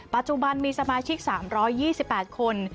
ปัจจุบันมีสมาชิก๓๒๘คน